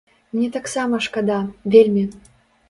Мне таксама шкада, вельмі.